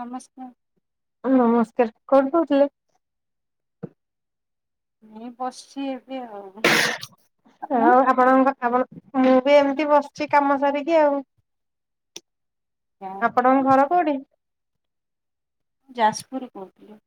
ନମସ୍କାର। ନମସ୍କାର କଣ କହୁଥିଲେ? ମୁଁ ବସିଚି ଏବେ ଆଉ। ଆପଣ? ହଉ ଆପଣଙ୍କ ଆପଣ ମୁଁ ବି ଏମିତି ବସିଚି କାମ ସାରିକି ଆଉ। ଯା ଆପଣଙ୍କ ଘର କୋଉଠି? ଯାଜପୁର କହୁଥିଲି।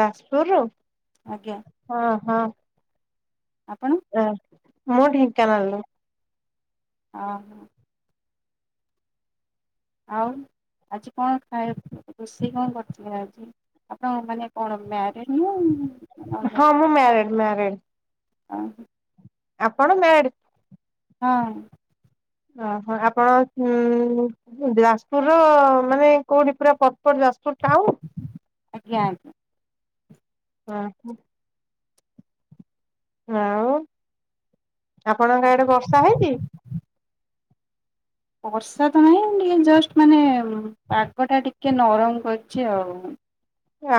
ଯାଜପୁରରୁୁ? ଆଜ୍ଞା। ହଁ। ଆପଣ? ମୁଁ ଢେଙ୍କାନାଳ ରୁ ଅ ହୋ। ଆଉ ଆଜି କଣ ଖାଏବୁ? ରୋଷେଇ କଣ କରିଥିଲେ ଆଜି ଆପଣ ମାନେ କଣ ମ୍ୟାରିଡ୍ ନା ଆ ହଁ ମୁଁ ମ୍ୟାରେଡ ମ୍ୟାରେଡ଼। ହ। ଆପଣ ମେଡ ହଁ। ଓହୋ ଆପଣ ଉ ଯାଜପୁର ର ମାନେ କୋଉଠି ପୁରା ପ୍ରପର ଯାଜପୁର? ସ ଟାଉନ୍? ଆଜ୍ଞା ଆଜ୍ଞା। ହ ହୋ। ଆଉ ଆପଣଙ୍କ ଆଡେ ବର୍ଷା ହେଇଚି? ବର୍ଷା ତ ନାହିଁ ଟିକେ ଜଷ୍ଟ ମାନେ ପାଗ ଟା ଟିକେ ନରମ କରିଚି ଆଉ।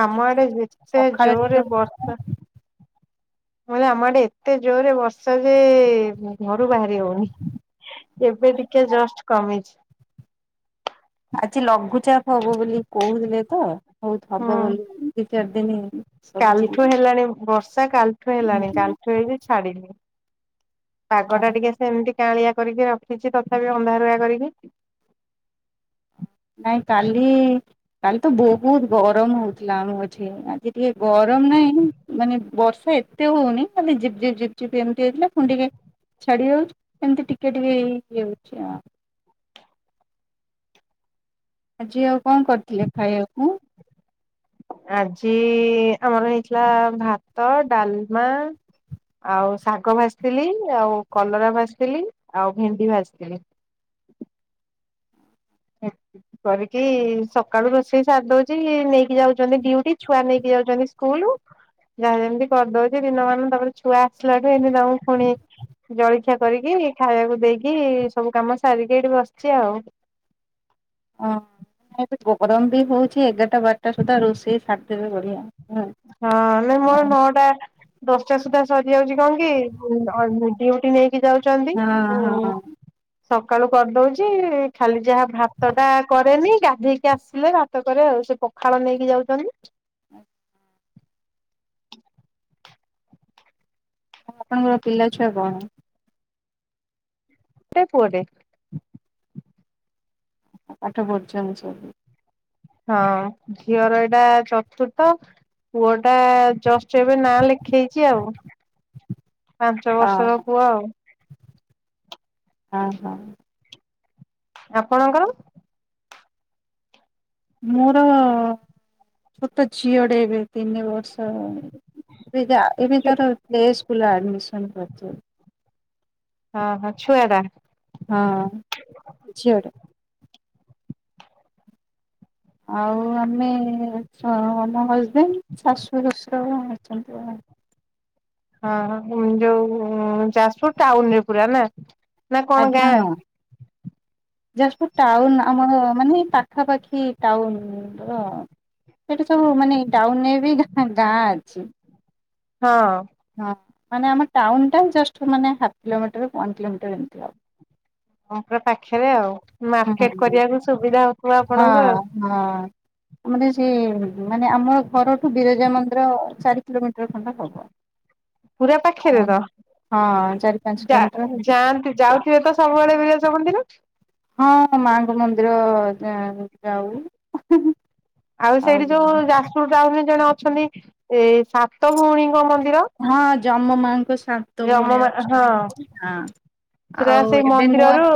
ଆମ ଆଡେ ଝିପ୍ ଝିପ୍ ଝିପ୍ ଯେତେ ସକାଳେ ଟିକେ ଜୋରେ ବର୍ଷା। ହଉଥିଲା। ମାନେ ଆମଆଡେ ଏତେ ଜୋରରେ ବର୍ଷା ଯେ ଘରୁ ବାହାରି ହଉନି। ଏବେ ଟିକେ ଜଷ୍ଟ କମିଚି। ଆଜି ଲଘୁଚାପ ହବ ବୋଲି କହୁଥିଲେ ତ ବହୁତ ହବ ବୋଲି ଦି ଚାରିିନ [unintelligible] କାଲଠୁ ହେଲାଣି ବର୍ଷା କାଲଠୁ ହେଲାଣି କାଲଠୁ ହେଇକି ଛାଡିିନି। ପାଗଟ ଟା ହଁ ଟିକେ ସେମତି କାଳିଆ କରିକି ରଖିଛି ତଥାପି ଅନ୍ଧାରୁଆ କରିକି। ନାଇଁ କାଲି କାଲି ତ ବହୁତ ଗରମ ହଉଥିଲା ଆମଁ ଏଠି ଆଜି ଟିକେ ଗରମ ରମ ନାଇ ମାନେ ବର୍ଷା ଏତେ ହଉନି ଖାଲି ଝିପ ଝିପ ଝିପ ଝିପ ଏମତି ହେଇଥିଲା ଟିକେ। ଛାଡି ଯାଉଛି ଏମିତି ଟିକେଟ ବି ହେଇଯାଉଛି ହିଁ। ଆଜି ଆଉ କଣ କରିଥିଲେ ଖାଇବାକୁ? ଆଜି ଆମର ହେଇଥିଲା ଭାତ ଡାଲମା ଆଉ ଶାଗ ଭାଜିଥିଲି ଆଉ କଲରା ଭାଜିଥିଲି ଆଉ ଭେଣ୍ଡି ଭାଜିଥିଲି। ହୁଁ। କରିକି ସକାଳୁ ରୋଷେଇ ସାର ଦଉଛି ନେଇକି ଯାଉଛନ୍ତି ଡଉଟି ଛୁଆ ନେଇକି ଯାଉଛନ୍ତି ସ୍କୁଲ। ଯାହା ଯେମିତି କରିଦଉଛି ଦିନମାନାନ ତାପରେ ଛୁଆ ଆସିଲାଠୁ ଏମିତି ତାମକୁ ପୁଣିି ଜଳଖିଆ କରିକି ଖାଇବାକୁ ଦେଇକି ସବୁ କାମ ସାରିକି ଏଇଠି ବସିଛି ଆଉ। ଓ ଏବେ ଗରମ ବି ହଉଛି ଏଗାରଟା ବାରଟା ସୁଦ୍ଧା ରୋଷେଇ ସାରଦେବେ ବଢିଆ। ହଁ ନ ମୋର ନଅଟା ଦଶଟା ସୁଦ୍ଧା ସରିଯାଉଛି କଣ କି ଡିଉଟି ନେଇକି ଯାଉଛନ୍ତି। ଆଉ ହଁ ହଁ ସକାଳୁ କରଦଉଚି ଖାଲି ଯାହା ଭାତଟା କରେନି ଗାଧେଇକି ଆସିଲେ ଭାତ କରେ ଆଉ। ସେ ପଖାଳ ନେଇକି ଯାଉଚନ୍ତି। ଆ ଆଉ ଆପଣଙ୍କର ପିଲା ଛୁଆ କଣ? ଟେ ପୁଅଟେ ପାଠ ପଦୁର୍ନ୍ତି ସବୁ। ହଁ ଝିଅର ଏଇଟା ଚତୁର୍ଥ ପୁଅ ଟା ଜଷ୍ଟ ଏବେ ନାଁ ଲେଖେଇଛି ଆଉ। [inaudible] ପାଞ୍ଚ ବର୍ଷର ପୁଅ ଆଉ। ହଁ ହଁ। ଆପଣଙ୍କର? ମୋର ଗୋଟେ ଝିଅଟେଏବେ ତିନି ବର୍ଷର। ଯା ଏବୀ ହଁ ତାର ପ୍ଲେ ସ୍କୁଲ ଆଡ଼ମିସନ୍ କରଚି। ହଁ ହଁ ଛୁଆ ଟା। ହଁ ଝିଅଟେ ଆଉ ଆମେ ସ ମୋ ହଜବେଣ୍ଡ ଶାଶୁ ଶଶୁର ଅଛନ୍ତି ଆଉ। ହଁ, ପୁଣି ଯୋଉ ଯାଜପୁର ଟାଉନ ରେ ପୁରା ନା ନା କଣ ଆଜ୍ଞା ଗାଁ? ହଁ [inaudible] ଯାଜପୁର ଟାଉନ ଆମର ମାନେ ପାଖାପାଖି ଟାଉନ ର ଆଉ। ସେଇଠି ସବୁ ମାନେ ଟାଉନରେ ବି ଘା ଗାଁ ଅଛି। ହଁ। ହଁ, ମାନେ ଆମ ଟାଉନ ଟା ଜଷ୍ଟ ମାନେ ହାଫ୍ କିଲୋମିଟର ୱାନ୍ କିଲୋମିଟର ଏମିତି ହବ। ପମ୍ପ ପାଖରେ ଆଉ ମାର୍କେଟ ହୁଁ କରିବାକୁ ସୁବିଧା ହଉଥିବ ହଁ ଆପଣଙ୍କୁ ଆଉ। ହଁ ଆମର ସେ ମାନେ ଆମ ଘରଠୁ ବିରଜାମନ୍ଦିର ଚାରିକିଲୋମିଟର। [unintelligible] ପୁରା ପାଖରେ ତ, ଚାରି ପାଞ୍ଚ ଯା କିଲୋମିଟର ହବ। ଯାଆନ୍ତି ଯାଉଥିବେ ତ ସବୁବେଳେ ବି ଯ ମନ୍ଦିର ହଁ ମାଙ୍କ ମନ୍ଦିର ଯା ଯାଉ। ଆଉ ସେଇଠି ଯୋଉ ଯାଜପୁର ଟାଉନରେ ଜଣେ ଅଛନ୍ତି ଏ ସାତ ଭଉଣୀଙ୍କ ମନ୍ଦି ହଁ ଯମ ମାଙ୍କ ସ ଯମ ସାତଭଉଣୀ ମା ହଁ ଅଛନ୍ତି ହ, ସେଟା ଆଉ ସେଇ ଏବେ ନୂଆ ମନ୍ଦିରରୁ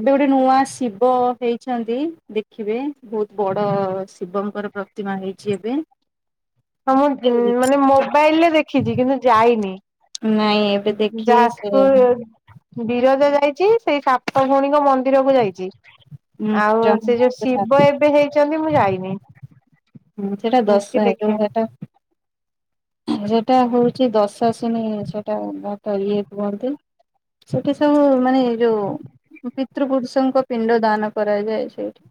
ଏବେ ଗୋଟେ ନୂଆ ଶିବ ହେଇଛନ୍ତି ଦେଖିବେ ବହୁତ ବଡ ଶିବଙ୍କର ପ୍ରତିମା ହେଇଚି ଏବେ। [inaudible] ହଁ ମୁଁ ମାନେ ମୋବାଇଲରେ ଦେଖିଛି କିନ୍ତୁ ଯାଇନି ନାଇଁ ଏବେ ଦେଖିବେ ସେ ଯାଜପୁର ବିର ଜା ଯାଇଛି ସେଇ ସତ ଭଉଣୀଙ୍କ ମନ୍ଦିର କୁ ଯାଇଚି ହୁଁ ଆଉ ଯମ ସେ ଯୋଉ ମାଙ୍କ ଶିବ ଶାନ୍ତ ଏବେ ହେଇଛନ୍ତି ମୁଁ ଯାଇନି ହୁଁ ସେଟା କି ଦଶାସନି ଦେଖିନି ଘାଟ। ସେଟା ହଉଛି ଦଶାଶନି ସେଟା ଘାଟ ଇଏ କୁହନ୍ତି। ସେଠି ସବୁ ମାନେ ଯୋଉ ପିତୃପୁରୁଷଙ୍କ ପିଣ୍ଡ ଦାନ କରାଯାଏ ସେଇଠି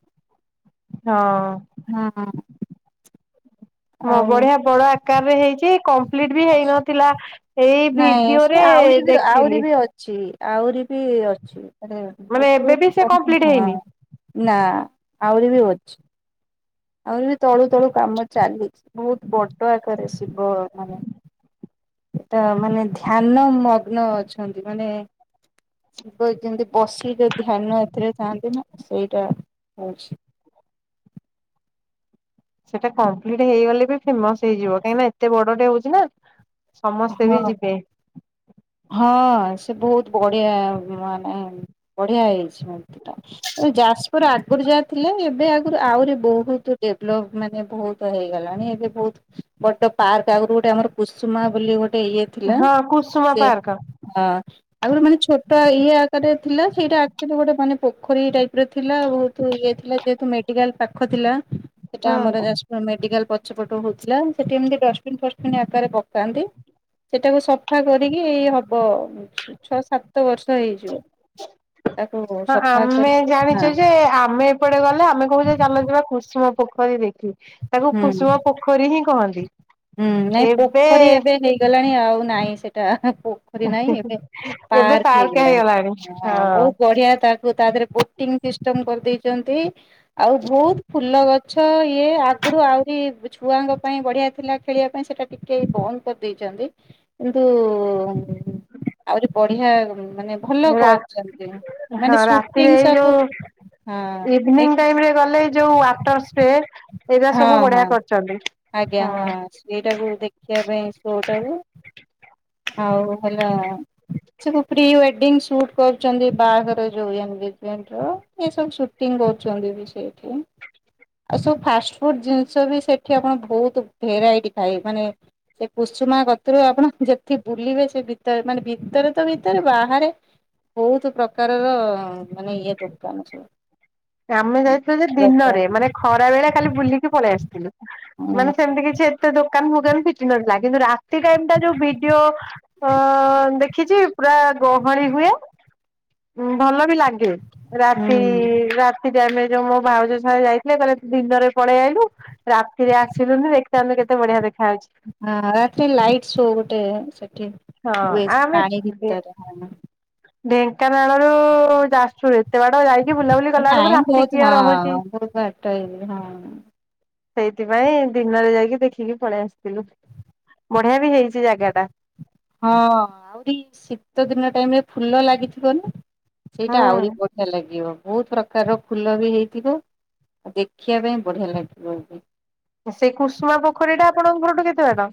ହଁ। ମୁଁ ଆଉ ବଢିଆ ବଡ ଆକାରରେ ହେଇଛି କମ୍ପ୍ଲିଟ ବି ହେଇନଥିଲା ଏଇ ନାଇଁ ସେ ଭିଡିଓରେ ରେ ଆହୁରି ବି ଆହୁରି ଦେଖିଲି ବି ଅଛି ଆହୁରି ବି ଅଛି ମାନେ ମାନେ ଉପର ଏବେ ବି ସେ ଉ କମ୍ପ୍ଲିଟ ହଁ ହେଇନି ନା ଆହୁରି ବି ହଛି ଆହୁରି ବି ତଳୁ ତଳୁ କାମ ଚାଲିଛି ବହୁତ ବଡ ଆକାରରେ ଶିବ ମାନେ ତ ମାନେ ଧ୍ୟାନ ମଗ୍ନ ଅଛନ୍ତି ମାନେ ଶିବ ଯେମିତି ବସିିକି ଧ୍ୟାନ ଏଥିରେ ଥାଆନ୍ତି ନା ସେଇଟା ଆଛା। ସେଇଟା କମ୍ପ୍ଲିଟ ହେଇଗଲେ ବି ଫେମସ ହେଇଯିବ କାହିଁକି ନା ଏତେ ବଡଟେ ହଉଛି ନା ସମସ୍ତେ ହଁ ବି ଯିବେ ହଁ। ସେ ବହୁତ ବଢିଆ ମାନେ ବଢିଆ ହେଇଛି ମୂର୍ତ୍ତି ଟା ଯାଜପୁର ଆଗରୁ ଯା ଥିଲା ଏବେ ଆଗରୁ ଆହୁରି ବହୁତ ଡେଭଳ୍ପ ମାନେ ବହୁତ ହେଇଗଲାଣି ଏବେ ବହୁତ ବଡ଼ ପାର୍କ ଆଗରୁ ଗୋଟେ ଆମର କୁୁସୁମା ବୋଲି ଗୋଟେ ଇଏ ଥିଲା ହଁ କୁସୁମା ସେ ପାର୍କ ହଁ ଆଗରୁ ମାନେ ଛୋଟ ଇଏ ଆକାରେ ଥିଲା ସେଇଟା ଆକଚୁଆଲି ଗୋଟେ ମାନେ ପୋଖରୀ ଟାଇପ ର ଥିଲା ବହୁତ ଇଏ ଥିଲା ଯେହେତୁ ମେଡିକାଲ ପାଖ ଥିଲା ସେଟା ଆମ ହୁଁ ଯାଜପୁର ମେଡିକାଲ ପଛପଟୁ ହଉଥିଲା ସେଠି ଏମିତି ଡଷ୍ଟପିନ ଫଷ୍ଟପିନ ଆକାରରେ ପ କାନ୍ତି ସେଟାକୁ ସଫା କରିକି ହବ ଛଅ ସାତ ସାତ ବର୍ଷ ହେଇଯିବ। ତାକୁ ହଁ ସଫା ଆମେ କରିକି ହଁ ଜାଣିଚୁ ଯେ ଆମେ ଏପଟେ ଗଲେ ଆମେ କହୁଚେ ଚାଲଯିବା କୁସୁମ ପୋକ ଖରୀ ଦେଖି ତାକୁ ହୁଁ କୁସୁମ ପୋଖରୀ ହିଁ କହନ୍ତି। ହୁଁ ନାଇଁ ଏବେ ପୋଖରୀ ଏବେ ହେଇଗଲାଣି ଆଉ ନାଇଁ ସେଟା ପୋଖରୀ ନାହିଁ ଏବେ ପାର୍କ ହେଇଗଲାଣି ହ ବହୁତ ବଢିଆ ତାକୁ ତା ଦେହରେ ବୋଟି ଙ୍ଗ ସିଷ୍ଟମ କରିଦେଇଛନ୍ତି ଆଉ ବହୁତ ଫୁଲ ଗ ଗଛ ଇଏ ଆଗରୁ ଆହୁରି ଛୁଆଙ୍କ ପାଇଁ ବଢିଆ ଥିଲା କି ଖେଳିବା ପାଇଁ ସେଟା ଟିକେ ବନ୍ଦ କରିଦେଇଛନ୍ତି କିନ୍ତୁ ଆହୁରି ବଢିଆ ମାନେ ଭଲ ରା କରଚନ୍ତି ମାନେ ହଁ ରାତିରେ ସୁଟିଂ ଏଇ ସବୁ ଯୋଉ ହଁ ଇଭିନିଂ ଏଇ ଟାଇମରେ ଗଲେ ଯୋଉ ୱାଟର ସ୍ପ୍ରେ ଏରା ହଁ ସବୁ ହଁ ବଢିଆ କରିଛନ୍ତି। ଆଜ୍ଞା ହଁ ସ୍ପେ ସେଇଟାକୁ ଦେଖିବା ପାଇଁ ସୋ ଟାକୁ ଆଉ ହେଲା ସେ ତ ପ୍ରି ୱେଡ଼ ଡିଙ୍ଗ ସୁଟ କରୁଛନ୍ତି ବାହାଘର ଯୋଉ ଏନଗେଜମେଣ୍ଟ ର ଏସବୁ ସୁଟିଂ କରୁଛନ୍ତି ବି ସେ ଆଉ ସବୁ ଫାଷ୍ଟ ଫୁଡ ଜିନିଷ ବି ସେଠି ଆପଣ ବହୁତ ଭେରାଇଟି ଖାଇ ମାନେ ସେ କୁସୁମା କତିରୁ ଆପଣ ଯେତେ ବୁଲିବେ ସେ ଭିତରେ ମାନେ ଭିତରେ ତ ଭିତରେ ବାହାରେ ବହୁତ ପ୍ରକାରର ମାନେ ଇଏ ଦୋକାନ ସବୁ ଆମେ ଯାଇଥିଲୁ ଯେ ପ୍ରକାର ଦିନରେ ମାନେ ଖରା ବେଳେ ଖାଲି ବୁଲିକି ପଳେଇ ଆସିଥିଲୁ ହୁଁ ମାନେ ସେମିତି କିଛି ଏତେ ଦୋକାନ ଫୋ କାନ ଫିଟି ନଥିଲା କିନ୍ତୁ ରାତି ଟାଇମ ଟା ଯୋଉ ଭିଡିଓ ଅଁ ଦେଖିଛି ପୁରା ଗ ହଳି ହୁଏ ଭଲ ବି ଲାଗେ ରାତି ହୁଁ ରା ଆମେ ଯୋଉ ମୋ ଭାଉଜ ସାଙ୍ଗେ ଯାଇଥିଲେ କହିଲେ ତୁ ଦିନରେ ପଳେଇ ଆଇଲୁ ରାତିରେ ଆସିଲୁନି ଦେଖିଥାନ୍ତୁ କେ କେତ ବଢିଆ ଦେଖାଯାଉଛି ଗ ସେଠି ହୁଏ ସେ ପାଣି ଭିତରେ ହ ଢେଙ୍କାନାଳ ର ଯାସୁ କେତେ ବାଟ ଯାଇକି ବୁଲାବୁଲି କଲା ବେଳକୁ ନାଇଁ ରାତି କିଏ ବହୁତ କିି ରହୁଛି। ହଁ ବହୁତ ବାଟ ହେଇଯିବ ହଁ। ସେଇଥିପାଇଁ ଦିନରେ ଯାଇକି ଦେଖିକି ପଳେଇ ଆସିଥିଲୁ। ବଢିଆ ବି ହେଇଛି ଜାଗା ଟା ହଁ ଆହୁରି ଶୀତ ଦିନ ଟାଇମରେ ଫୁଲ ଲାଗିଥିବ ନା। ସେଇଟା ଆହୁରି ହୁଁ ବଢିଆ ଲାଗିବ। ବହୁତ ପ୍ରକାରର ଫୁଲ ବି ହେଇଥିବ ଆଉ ଦେଖିବା ପାଇଁ ବଢିଆ ଲାଗୁଥିବ। ସେଇ କୁସୁମା ପୋଖରୀ ଟା ଆପଣଙ୍କ ଘର ଠୁ କେତେ ବାଟ?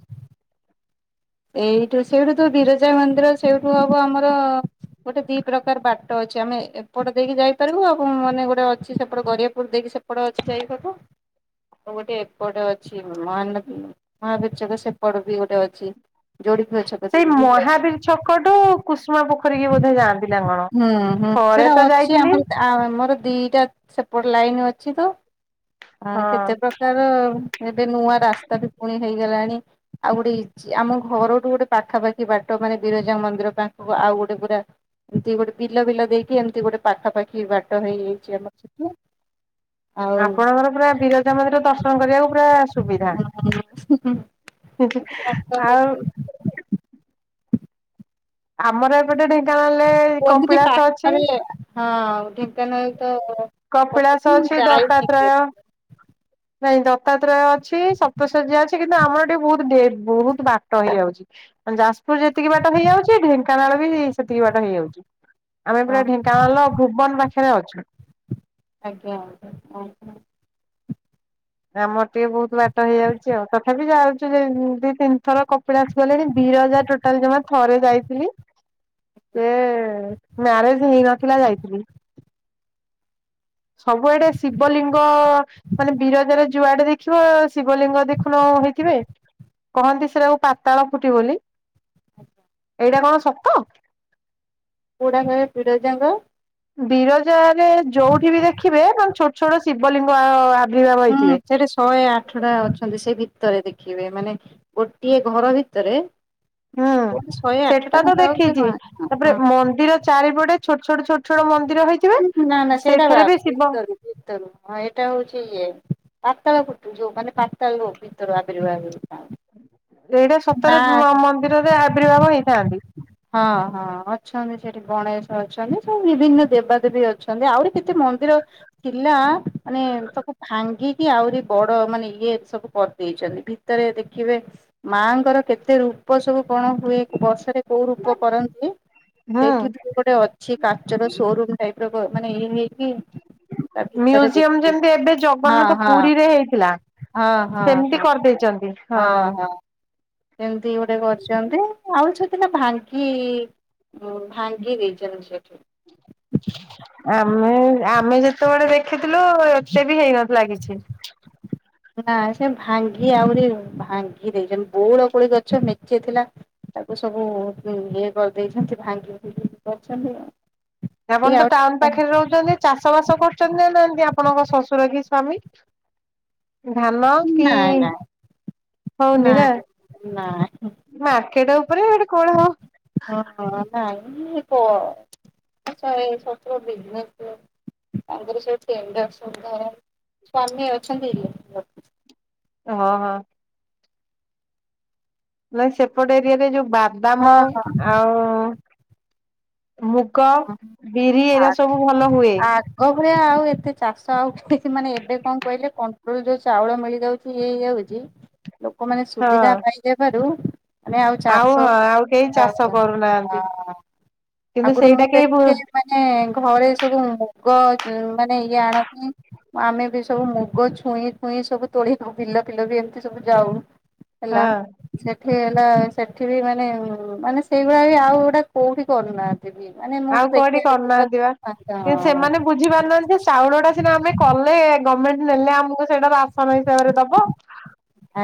ଏଇଠୁ ସେଇଠୁ ତ ବିରଜା ମନ୍ଦିର ସେଇଠୁ ହବ ଆମର ଗୋଟେ ଦି ପ୍ରକାର ବାଟ ଅଛି ଆମେ ଏପଟେ ଦେଇକି ଯାଇପାରିବୁ ଆଉ ମାନେ ଗୋଟେ ଅଛି ସେପଟ ଗରିଆପୁର ଦେଇକି ସେପଟେ ଅଛି ଯାଇ ହବ। ଆଉ ଗୋଟେ ଏପଟେ ଅଛି ମ ମହାବୀରଚକ ସେପଟ ବି ଗୋଟେ ଅଛି। ଯୋଡିପୁର ଛକ ସେଇ ଦେଇକି ବି ଯାଇହବ। ମହାବୀର ଛକଠୁ କୁସୁମା ପ ପାଖରିକି ବୋଧେ ଯାନ୍ତି ନା କଣ, ହୁଁ ହୁଁ ସେଇଟା ଥରେ ତ ଅଛି ଯାଇଥିଲି। ଆମର ଆମର ଦିଟା ସେପଟ ଲାଇନ ଅଛି ତ ହଁ କେତେ ପ୍ରକାର ଏବେ ନୂଆ ରାସ୍ତା ବି ପୁଣି ହେଇଗଲାଣି ଆଉ ଗୋଟେ ଆମ ଘରଠୁ ଗୋଟେ ପାଖାପାଖି ବାଟ ମାନେ ବିରଜାଙ୍ଗ ମନ୍ଦିର ପାଖକୁ ଆଉ ଗୋ ଗୋଟେ ପୁରା ଏମିତି ଗୋଟେ ବିଲ ବିଲ ଦେଇକି ଏମିତି ଗୋଟେ ପାଖାପାଖି ବାଟ ହେଇଯାଇଛି ଆମର ସେଠି। [inaudible] ଆପଣଙ୍କର ପୁରା ବିରଜା ମନ୍ଦିର ଦର୍ଶନ କରିବାକୁ ପୁରା ସୁବିଧା। ହେ ହେ ଆଉ। ପାଖାପାଖି ଆମର ଏପଟେ ଢେଙ୍କାନାଳରେ କହନ୍ତି କିି କପିଳାସ ଅଛି। ପାଖରେ ହଁ ଢେଙ୍କାନାଳ ତ କପିଳାସ ଅଛି ଦତ୍ତାତ୍ରୟ [unintelligible] ନାଇଁ ଦତ୍ତାାତ୍ରେୟ ଅଛି ସପ୍ତଶଯ୍ୟା ଅଛି କିନ୍ତୁ ଆମର ଟିକେ ବହୁତ ବହୁତ ବାଟ ହେଇଯାଉଚି। ଯାଜପୁର ଯେତିକି ବାଟ ହେଇଯାଉଚି ଢେଙ୍କାନାଳ ବି ସେତିକି ବାଟ ହେଇଯାଉଚି। ଆମେ ପୁରା ହଁ ଢେଙ୍କାନାଳର ଭୁବନ ପାଖରେ ଅଛୁ। ଆଜ୍ଞା ଆଜ୍ଞା ଆଜ୍ଞା। ଆମର ଟିକେ ବହୁତ ବାଟ ହେଇଯାଉଛି ଆଉ ତଥାପି ଯାଉଛୁ ଦି ତିନିଥର କପିଳାସ ଗଲେଣି। ବିରଜା ଟୋଟାଲ ଜମା ଥରେ ଯାଇଥିଲି। ସେ ମ୍ୟାରେଜ ହେଇନଥିଲା ଯାଇଥିଲି। ସବୁଆଡେ ଶିବଲିଙ୍ଗ ମାନେ ବିରଜାର ଯୁଆଡେ ଦେଖିବ ଶିବଲିଙ୍ଗ ଦେଖୁନ ଣ ହେଇଥିବେ କହନ୍ତି ସେଟାକୁ ପାତାଳ ଫୁଟି ବୋଲି। ଆଜ୍ଞା। ଏୟିଟା କଣ ସତ? ପୋଡା ଘରେ ବିରଜାଙ୍କ। ବିରଜାରେ ଯୋଉଠି ବି ଦେଖିବେ ମାନେ ଛୋଟ ଛୋଟ ଶିବଲିଙ୍ଗ ଆ ଅ ହୁଁ ସେଠି ଶହେ ଆଠଟା ଅଛନ୍ତି ସେଇ ଭିତ ଭିତରେ ଦେଖିବେ ମାନେ ଗୋଟିଏ ଘର ଭିତରେ ହଁ କୁହନ୍ତି ଶହେ ଆଠଟା ସେଟା ମୁଁ ତ ଆଉ ଏତେ ଦେଖିଛି ହଁ ତାପରେ ମନ୍ଦିର ଚାରିପଟେ ଛୋଟ ଛୋଟ ଛୋଟଛୋଟ ମନ୍ଦି ନା ନା ସେଇଟା ବାହାରୁ, ଭିତରୁ ଭିତରୁ ହଁ ଏଇଟା ହଉଛି ଇଏ। ପାତାଳ ଫୁଟୁ ଯୋଉ ମାନେ ପାତାଳ ଭିତରୁ ଆବିର୍ଭାବ ହୁଏ। ଏଇଟା ସତରେ ମନ୍ଦିରରେ ଆବିର୍ଭାବ ହେଇଥାନ୍ତି। ହଁ ହଁ ଅଛନ୍ତି ସେଠି ଗଣେଶ ଅଛନ୍ତି, ସବୁ ବିଭିନ୍ନ ଦେବାଦେବୀ ଅଛନ୍ତି, ଆହୁରି କେତେ ମନ୍ଦିର ଥିଲା ମାନେ ତାକୁ ଭାଙ୍ଗିକି ଆହୁରି ବଡ ମାନେ ଇଏ ସବୁ କରିଦେଇ ଭିତରେ ଦେଖିବେ ମାଙ୍କର କେତେ ରୂପ ସବୁ କଣ ହୁଏ ବର୍ଷରେ କୋଉ ରୂପ କରନ୍ତି ହୁଁ ସେଇଠି ବି ଗୋଟେ ଅଛି କାଚର ସୋରୁମ ଟାଇପ ମାନେ ଇଏ ହେଇକି ତା ଭିତରେ ମ୍ୟୁଜିୟମ ଦେଖି ଯେମିତି ଏବେ ହଁ ଜଗନ୍ନାଥ ହଁ ପୁରୀରେ ହେଇଥିଲା। ହଁ ହଁ ସେମିତି ହଁ କରିଦେଇଛନ୍ତି ହଁ। ଏମିତି ଗୋଟେ କରିଛନ୍ତି ଆଉ ସେଦିନ ଭାଙ୍ଗି-ଇ-ଇ-ଇ ହ ଭାଙ୍ଗି ଦେଇଛନ୍ତି ସେଠି ଆମେ ଆମେ ଯେତେବେଳେ ଦେଖିଥିଲୁ ଏତେ ବି ହେଇନ ଲାଗିଛି। ନା ସେ ଭାଙ୍ଗି ଆହୁରି ଭାଙ୍ଗି ଦେଇଛନ୍ତି ବଉଳ କୋଳି ଗଛ ମେଞ୍ଚେ ଥିଲା। ତାକୁ ସବୁ ଇ ଇଏ କରିଦେଇଛନ୍ତି ଭାଙ୍ଗି ଫିଙ୍ଗି କି କରିଛନ୍ତି। ଟିକେ ଆପଣ ତ ଆଉ ଟାଉନ ଟିକେ ପାଖରେ ରହୁଛନ୍ତି ଚାଷ ବାସ କରୁଛନ୍ତି ନା ନାହାନ୍ତି ଆପଣଙ୍କ ଶଶୁର କି ସ୍ୱାମୀ, ଧାନ କି ନାଇଁ ନାଇଁ ହଉନି ନା, ନାଇଁ। ମାର୍କେଟ ଉପରେ ଏଠି କଣ ହଉ ହଁ ହଁ ନାଇଁ ପ ଆଛା ଏ ଶ୍ୱଶୁର ବିଜେନସ ଲୋ ତାଙ୍କର ସବୁ ଟେଣ୍ଡର ସୁଧାର ସ୍ୱାମୀ ଅଛନ୍ତି ଇଲେକ୍ଟ୍ରି ରେ। ହଁ ହଁ। ନ ସେପଟ ଏରିଆରେ ଯୋଉ ବାଦାମ ହଁ ଆଉ ମୁଗ, ହଁ। ବିରି ଆ ଏରା ସବୁ ଭଲ ହୁଏ। ଆଗ ଭଳିଆ ଆଉ ଏତେ ଚାଷ ଆଉ। ହିଁ ମାନେ ଏବେ କଣ କହିଲେ କଣ୍ଟ୍ରୋଲ ଯୋଉ ଚାଉଳ ମିଳିଯାଉଛି ଇଏ ହେଇଯାଉଛି ଲୋକମାନେ ହଁ ସୁବିଧା ପାଇଯେବାରୁ ମାନେ ଆଉ ଚାଷ ହଁ କରୁ ଆଉ କେହି ନାହାନ୍ତି ଚାଷ କରୁନାହାନ୍ତି। ହଁ। କିନ୍ତୁ ଆଗରୁ ସେଇଟା ମୁ କେହି ଭୁ [unintelligible] ମାନେ ଘରେ ସବୁ ମୁଗ ଅ ମାନେ ଇଏ ଆଣନ୍ତି ଆମେ ବି ସବୁ ମୁଗ ଛୁଇଁ ଫୁଇଁ ସବୁ ତୋଳି ପକେଇଲୁ। ଡ଼ାକିଲେ ବି ଏମତି ସବୁ ଯାଉ ହେଲା ହଁ ସେଠି ହେଲା ସେଠି ବି ମାନେ ମାନେ ସେଇଭଳିଆ ବି ଆଉ ଗୋଟା କୋଉଠି କରୁନାହାନ୍ତି ବି। ମାନେ ମୁଁ ଆଉ କୋଉଠି ଦେଖିବାରେ ବିଲ କରୁନାହାନ୍ତି ଫିଲ ବା। ଫାଙ୍କା କି ହଁ ସେମାନେ ବୁଝି ପାରୁନାହାନ୍ତି ଚାଉଳ ଟା ସିନା ଆମେ କଲେ ଗଭର୍ଣ୍ଣମେଣ୍ଟ ନେଲେ ଆମକୁ ସେଇଟାର ଆସନ ହିସାବରେ ଦବ।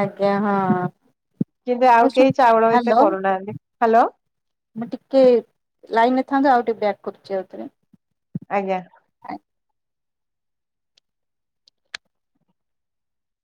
ଆଜ୍ଞା ହଁ। କିନ୍ତୁ ଆଉ କେହି ଚାଉଳ ଏତେ ହ୍ୟାଲୋ କରୁନାହାନ୍ତି। ହ୍ୟାଲୋ ମୁଁ ଟିକେ ଲାଇନରେ ଥାନ୍ତୁ ଆଉ ଟିକେ ବ୍ୟାକ୍ କରୁଛି ଆଉଥିରେ। ଆଜ୍ଞା।